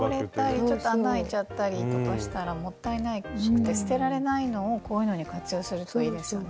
ちょっと穴開いちゃったりとかしたらもったいなくて捨てられないのをこういうのに活用するといいですよね。